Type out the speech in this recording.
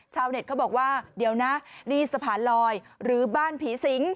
เน็ตเขาบอกว่าเดี๋ยวนะนี่สะพานลอยหรือบ้านผีสิง